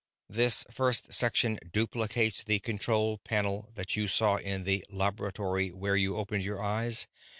"This first section duplicates the control panel that you saw in the laboratory where you opened your eyes.